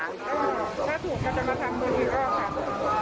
ถ้าถูกก็จะมาทำตัวที่อ้อค่ะ